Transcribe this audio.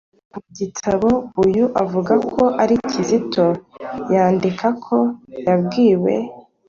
Mu gitabo, uyu uvuga ko ari Kizito yandika ko yabwiwe